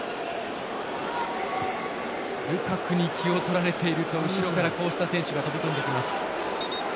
ルカクに気を取られていると後ろからこうした選手が飛び込んできます。